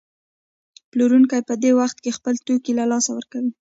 پلورونکی په دې وخت کې خپل توکي له لاسه ورکوي